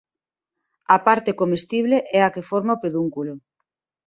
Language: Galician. A parte comestible é a que forma o pedúnculo.